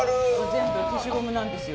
全部消しゴムなんですよ。